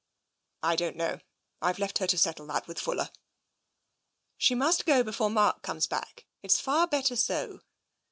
" I don't know. I've left her to settle that with Fuller." " She must go before Mark comes back. It's far better so."